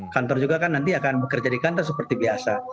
kantor juga kan nanti akan bekerja di kantor seperti biasa